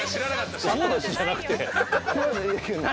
「そうです」じゃなくて。